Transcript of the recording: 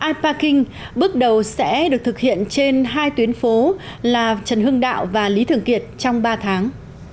ipaing bước đầu sẽ được thực hiện trên hai tuyến phố là trần hưng đạo và lý thường kiệt trong ba tháng